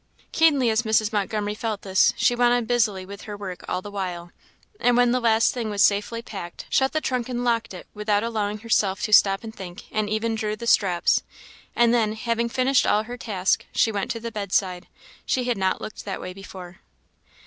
Keenly as Mrs. Montgomery felt this, she went on busily with her work all the while, and when the last thing was safely packed, shut the trunk and locked, it without allowing herself to stop and think, and even drew the straps. And then, having finished all her task, she went to the bedside; she had not looked that way before.